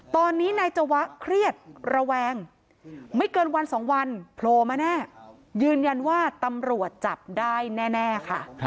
ตอนนี้นายจวะเครียดระแวงไม่เกินวันสองวันโผล่มาแน่ยืนยันว่าตำรวจจับได้แน่ค่ะ